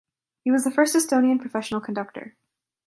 He was the first Estonian professional conductor.